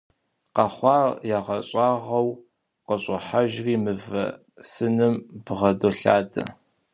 Къэхъуар ягъэщӏагъуэу къыщӏохьэжри мывэ сыным бгъэдолъадэ.